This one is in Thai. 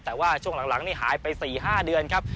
แต่ว่าช่วงหลังนี่หายไป๔๕เดือนครับ